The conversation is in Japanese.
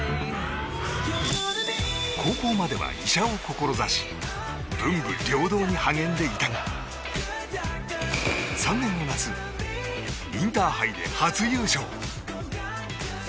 高校までは医者を志し文武両道に励んでいたが３年の夏インターハイで初優勝。